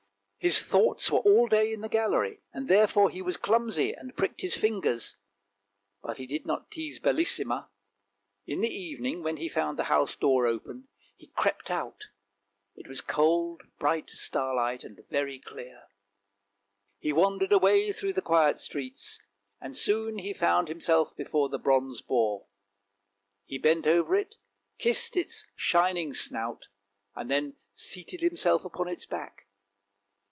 His thoughts were all day in the gallery, and therefore he was clumsy and pricked his fingers ; but he did not tease Bellissima. THE BRONZE BOAR 341 In the evening when he found the house door open, he crept out ; it was cold, bright starlight, and very clear. He wandered away through the quiet streets, and soon found himself before the bronze boar; he bent over it, kissed its shining snout, and then seated himself upon its back.